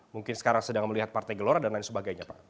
mungkin sekarang sedang melihat partai gelora dan lain sebagainya pak